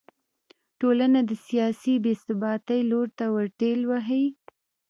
ټولنه د سیاسي بې ثباتۍ لور ته ور ټېل وهي.